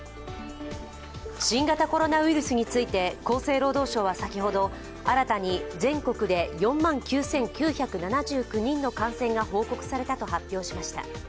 新型コロナウイルスについて厚生労働省は先ほど新たに全国で４万９９７９人の感染が報告されたと発表しました。